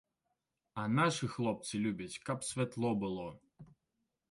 А нашы хлопцы любяць, каб святло было.